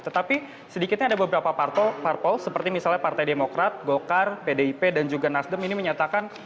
tetapi sedikitnya ada beberapa parpol seperti misalnya partai demokrat gokar pdip dan juga nasdem ini menyatakan